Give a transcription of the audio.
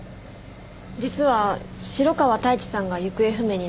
実は城川太一さんが行方不明になっていまして。